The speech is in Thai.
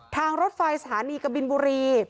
รถไฟสถานีกบินบุรี